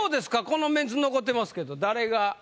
このメンツ残ってますけど誰が？